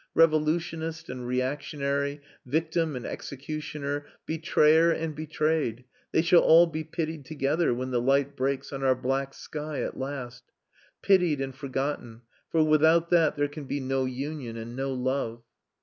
Revolutionist and reactionary, victim and executioner, betrayer and betrayed, they shall all be pitied together when the light breaks on our black sky at last. Pitied and forgotten; for without that there can be no union and no love."